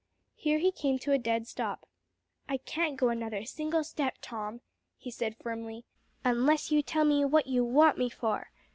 Here he came to a dead stop. "I can't go another single step, Tom," he said firmly, "unless you tell me what you want me for.